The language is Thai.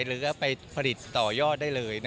หรือไปผลิตต่อยอดได้เลย